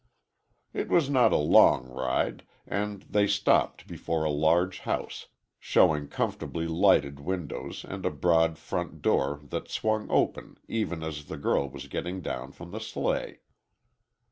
It was not a long ride, and they stopped before a large house, showing comfortably lighted windows and a broad front door that swung open even as the girl was getting down from the sleigh.